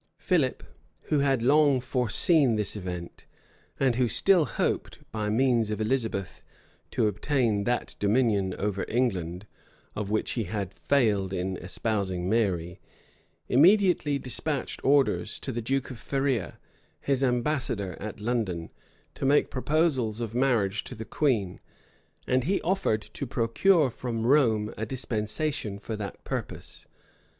Philip, who had long foreseen this event, and who still hoped, by means of Elizabeth, to obtain that dominion over England, of which he had failed in espousing Mary, immediately despatched orders to the duke of Feria, his ambassador at London, to make proposals of marriage to the queen; and he offered to procure from Rome a dispensation for that purpose.